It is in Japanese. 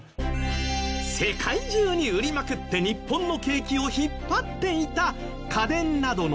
世界中に売りまくって日本の景気を引っ張っていた家電などのモノづくり